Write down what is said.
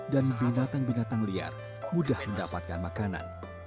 binatang binatang liar mudah mendapatkan makanan